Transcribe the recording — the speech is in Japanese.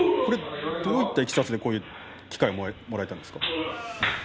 どういったいきさつでこういう機会をもらったんですか。